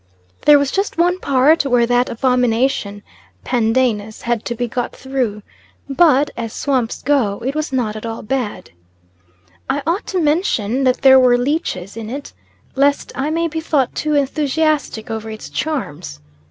There was just one part where that abomination, pandanus, had to be got through, but, as swamps go, it was not at all bad. I ought to mention that there were leeches in it, lest I may be thought too enthusiastic over its charms.